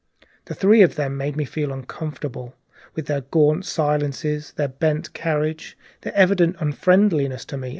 The three of them made me feel uncomfortable with their gaunt silences, their bent carriage, their evident unfriendliness to me and to one another.